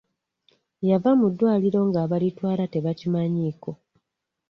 Yava mu ddwaliro nga abalitwala tebakimanyiiko.